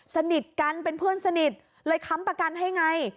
สนิทกันเป็นเพื่อนสนิทเลยค้ำประกันให้ไง